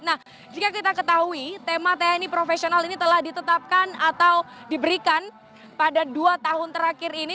nah jika kita ketahui tema tni profesional ini telah ditetapkan atau diberikan pada dua tahun terakhir ini